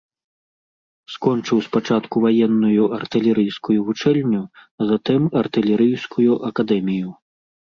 Скончыў спачатку ваенную артылерыйскую вучэльню, а затым артылерыйскую акадэмію.